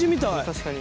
確かに。